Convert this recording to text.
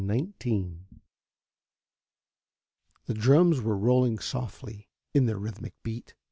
The drums were rolling softly in their rhythmic beat.